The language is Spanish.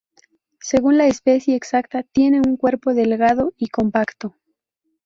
Según la especie exacta, tienen un cuerpo delgado y compacto.